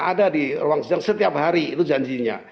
ada di ruang sidang setiap hari itu janjinya